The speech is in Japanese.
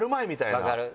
分かる！